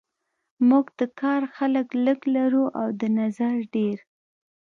موږ د کار خلک لږ لرو او د نظر ډیر